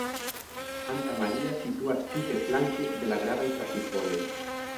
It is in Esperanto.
Santa Maria situas tute flanke de la gravaj trafikvojoj.